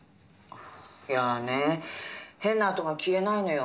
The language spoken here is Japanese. いやね変な跡が消えないのよ。